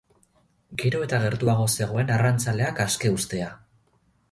Gero eta gertuago zegoen arrantzaleak aske uztea.